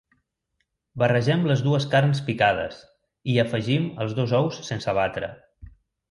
Barregem les dues carns picades i hi afegim els dos ous sense batre.